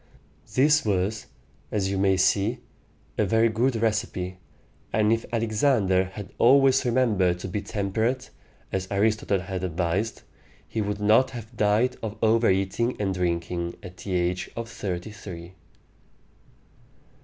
This was, as you may see, a very good recipe; and if Alexander had always remembered to be temperate, as Aristotle had advised, he would not have died of over eating and drinking at the age of thirty three.